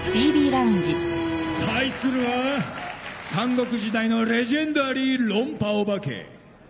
対するは三国時代のレジェンダリー論破オバケ。